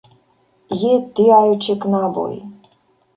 Je tiaj ĉi knaboj!